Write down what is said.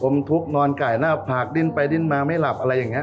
ทุกข์นอนไก่หน้าผากดิ้นไปดิ้นมาไม่หลับอะไรอย่างนี้